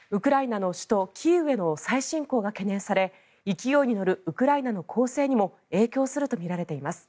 ウクライナの首都キーウへの再侵攻が懸念され勢いに乗るウクライナの攻勢にも影響するとみられています。